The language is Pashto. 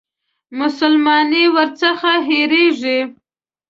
مسلماني ورڅخه هېرېږي.